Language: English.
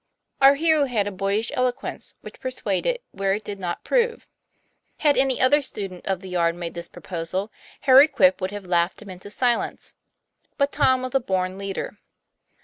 Our hero had a boyish eloquence which persuaded where it did not prove. Had any other student of the yard made this proposal, Harry Quip would have laughed him into silence; but Tom was a born leader.